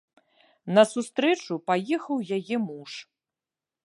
На сустрэчу паехаў яе муж.